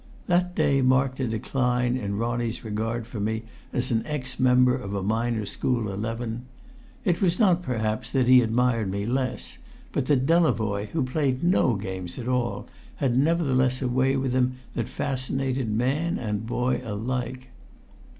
That day marked a decline in Ronnie's regard for me as an ex member of a minor school eleven. It was not, perhaps, that he admired me less, but that Delavoye, who played no games at all, had nevertheless a way with him that fascinated man and boy alike.